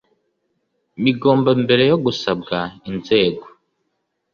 bigomba mbere yo gusabwa inzego